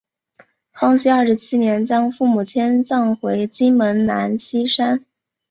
康熙二十七年将父母迁葬回金门兰厝山。